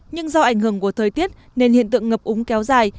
nhưng do ảnh hưởng của thời tiết nên hiện tượng ngập úng kéo dài